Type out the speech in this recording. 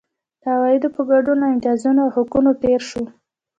د عوایدو په ګډون له امتیازونو او حقونو تېر شو.